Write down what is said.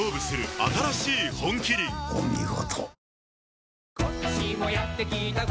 お見事。